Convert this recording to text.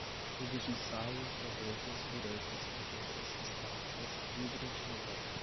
tubos de ensaio, provetas, buretas, pipetas, espátulas, vidros de relógio